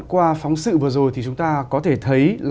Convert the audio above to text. qua phóng sự vừa rồi thì chúng ta có thể thấy là